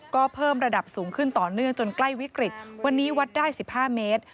ก็เพิ่มระดับสูงขึ้นต่อเนื่องจนใกล้วิกฤตวันนี้วัดได้๑๕เมตร